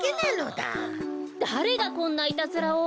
だれがこんないたずらを！